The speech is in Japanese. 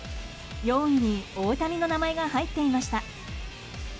４位に大谷の名前が入っていました。